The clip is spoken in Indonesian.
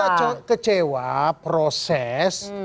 kita kecewa proses